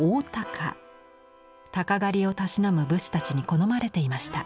鷹狩りをたしなむ武士たちに好まれていました。